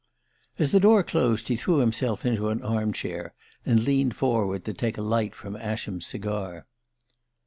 As the door closed he threw himself into an armchair and leaned forward to take a light from Ascham's cigar.